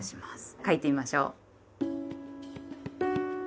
書いてみましょう。